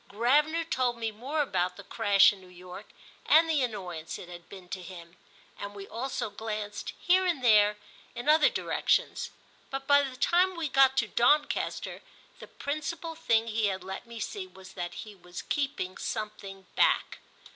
Gravener told me more about the crash in New York and the annoyance it had been to him, and we also glanced here and there in other directions; but by the time we got to Doncaster the principal thing he had let me see was that he was keeping something back.